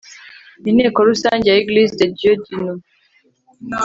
Inteko rusange ya Eglise de Dieu du Nouveau